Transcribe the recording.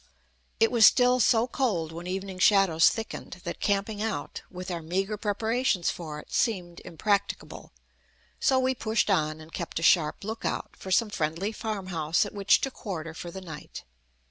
It was still so cold when evening shadows thickened that camping out, with our meagre preparations for it, seemed impracticable; so we pushed on and kept a sharp lookout for some friendly farm house at which to quarter for the night.